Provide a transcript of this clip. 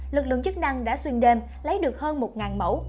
lực lượng chức năng đã xuyên đêm lấy được hơn một mẫu